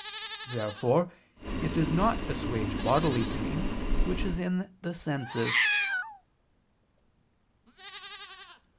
Therefore it does not assuage bodily pain, which is in the senses.